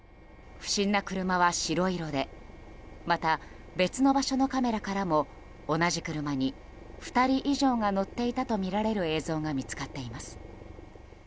不審な車は白色でまた、別の場所のカメラからも同じ車に２人以上が乗っていたとみられる映像が見つかっています。